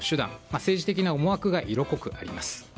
政治的な思惑が色濃く出ています。